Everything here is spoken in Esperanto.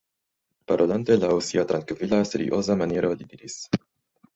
Parolante laŭ sia trankvila, serioza maniero, li diris: